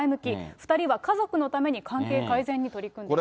２人は家族のために関係改善に取り組んでいる。